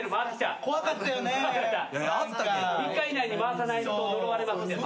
３日以内に回さないと呪われますってやつ。